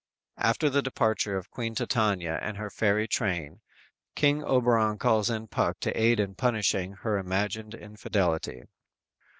"_ After the departure of Queen Titania and her fairy train, King Oberon calls in Puck to aid in punishing her imagined infidelity.